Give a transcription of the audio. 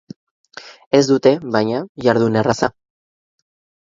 Ez dute, baina, jardun erraza.